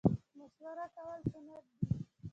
مشوره کول سنت دي